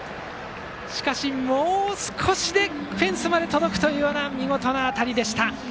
しかし、もう少しでフェンスまで届くというような見事な当たりでした。